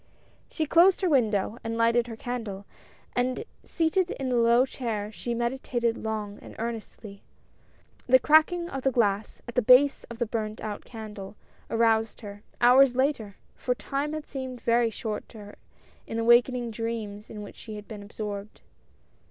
She closed her window and lighted her candle, and seated in a low chair she meditated long and earnestly. The cracking of the glass at the base of the burned 166 QUARRELS AND INSULTS. out candle aroused her, hours later, for time had seemed very short to her in the wakening dreams in which she had been absorbed.